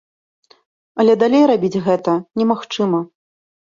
Але далей рабіць гэта немагчыма.